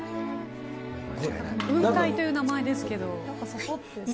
雲海という名前ですけど。